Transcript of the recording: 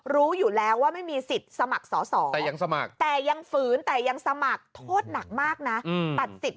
รู้อยู่แล้วว่าไม่มีสิทธิ์สมัครสอสอ